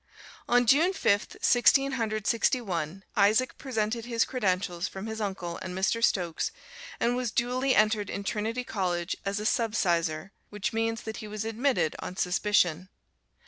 On June Fifth, Sixteen Hundred Sixty one, Isaac presented his credentials from his uncle and Mr. Stokes, and was duly entered in Trinity College as a subsizar, which means that he was admitted on suspicion.